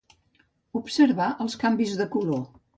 Observar els canvis de color.